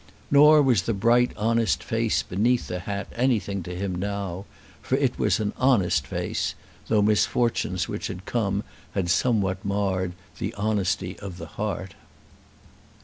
Nor was the bright honest face beneath the hat anything to him now; for it was an honest face, though misfortunes which had come had somewhat marred the honesty of the heart.